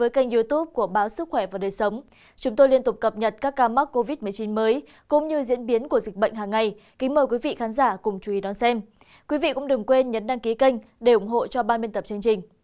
các bạn hãy đăng ký kênh để ủng hộ cho ba bên tập chương trình